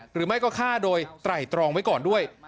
หรือไม่ก็ฆ่าโดยไตรตรองไว้ก่อนด้วย